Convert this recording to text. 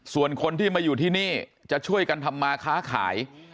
ส่วนคนที่มาอยู่ที่นี่จะช่วยกันทำมาค้าขาย